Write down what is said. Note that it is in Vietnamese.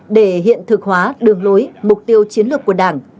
để hiện thực hóa đường lối mục tiêu chiến lược của đảng